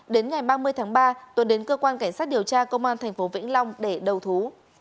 đến ngày ba mươi tháng ba tuấn đến cơ quan cảnh sát điều tra công an tp vĩnh long để đầu thú